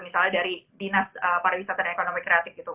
misalnya dari dinas pariwisata dan ekonomi kreatif gitu